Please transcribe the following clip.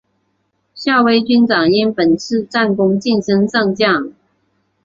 夏威军长因本次战功晋升上将。